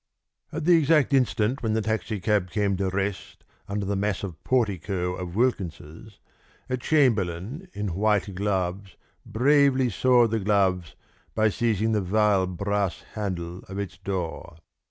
At the exact instant when the taxicab came to rest under the massive portico of Wilkins's, a chamberlain in white gloves bravely soiled the gloves by seizing the vile brass handle of its door.